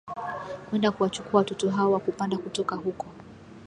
kwenda kuwachukua watoto hao wa kupanda kutoka huko